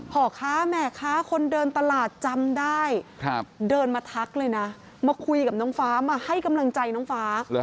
พ่อค้าแม่ค้าคนเดินตลาดจำได้เดินมาทักเลยนะมาคุยกับน้องฟ้ามาให้กำลังใจน้องฟ้า